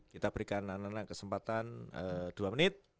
kita berikan kesempatan dua menit